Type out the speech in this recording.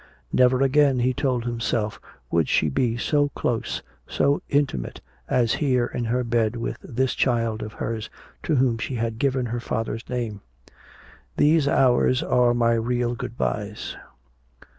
Never again, he told himself, would she be so close, so intimate, as here in her bed with this child of hers to whom she had given her father's name. "These hours are my real good byes."